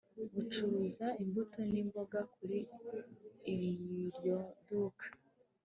Bacuruza imbuto nimboga kuri iryo duka